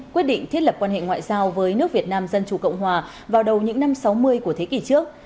quyết định thiết lập quan hệ ngoại giao với nước việt nam dân chủ cộng hòa vào đầu những năm sáu mươi của thế kỷ trước